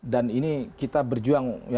dan ini kita berjuang